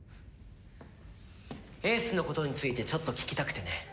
英寿のことについてちょっと聞きたくてね。